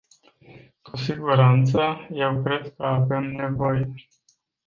Cu siguranță, eu cred că avem nevoie.